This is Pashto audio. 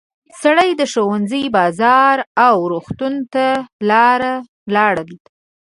سړک د ښوونځي، بازار او روغتون ته لاره ده.